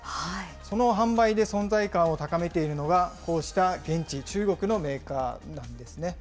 その販売で存在感を高めているのが、こうした現地、中国のメーカーなんですね。